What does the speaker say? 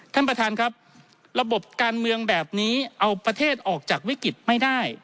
ท่านประธานครับระบบการเมืองแบบนี้เอาประเทศออกจากวิกฤตไม่ได้